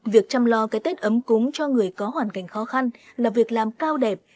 việc chăm lo cái tết ấm cúng cho người có hoàn cảnh khó khăn là việc làm cao đẹp